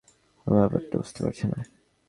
তোমার ব্যাপারটা বুঝতে পারছি না!